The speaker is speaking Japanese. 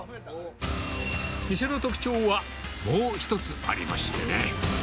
店の特徴は、もう一つありましてね。